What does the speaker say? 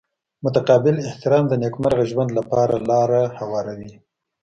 متقابل احترام د نیکمرغه ژوند لپاره لاره هواروي.